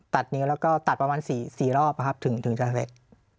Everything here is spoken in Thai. ตัดนิ้วแล้วก็ตัดประมาณ๔รอบถึงจะเสร็จ